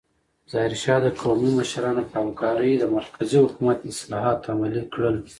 ظاهرشاه د قومي مشرانو په همکارۍ د مرکزي حکومت اصلاحات عملي کړل.